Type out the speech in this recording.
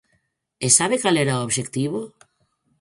¿E sabe cal era o obxectivo?